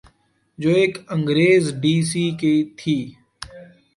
جو ایک انگریز ڈی سی کی تھی۔